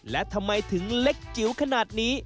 และทำไมถึงเล็กจิ๋วขนาดนี้